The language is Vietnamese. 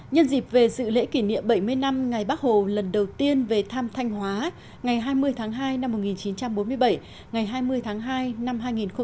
nhân dịp về dự lễ kỷ niệm bảy mươi năm ngày bắc hồ lần đầu tiên về thăm thanh hóa ngày hai mươi tháng hai năm một nghìn chín trăm bốn mươi bảy ngày hai mươi tháng hai năm hai nghìn một mươi chín